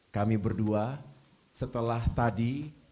kami berdua setelah tadi